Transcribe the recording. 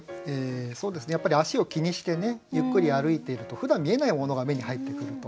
やっぱり足を気にしてゆっくり歩いているとふだん見えないものが目に入ってくると。